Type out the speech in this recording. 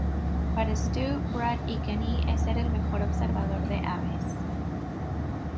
Para Stu, Brad y Kenny, es ser el mejor observador de aves.